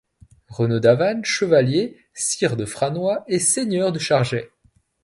Renaud d'Avanne, chevalier, sire de Franois et seigneur de Chargey.